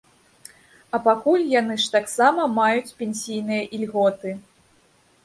А пакуль яны ж таксама маюць пенсійныя ільготы.